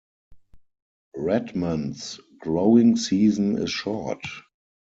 Redmond's growing season is short.